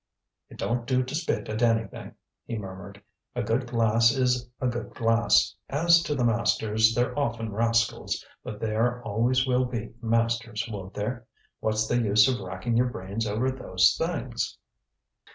"It don't do to spit at anything," he murmured. "A good glass is a good glass. As to the masters, they're often rascals; but there always will be masters, won't there? What's the use of racking your brains over those things?"